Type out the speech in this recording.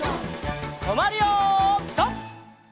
とまるよピタ！